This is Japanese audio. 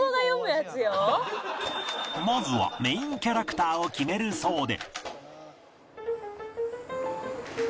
まずはメインキャラクターを決めるそうで